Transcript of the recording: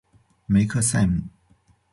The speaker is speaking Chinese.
梅克赛姆。